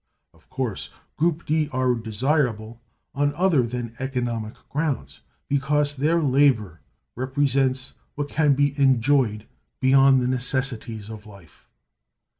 Of course, group D are desirable on other than economic grounds, because their labor represents what can be enjoyed beyond the necessities of life.